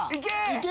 いけ！